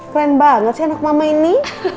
keren banget sih anak mama ini